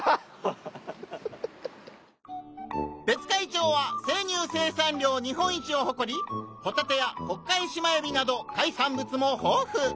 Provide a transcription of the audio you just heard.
「別海町」は生乳生産量日本一を誇りホタテや『ホッカイシマエビ』など海産物も豊富！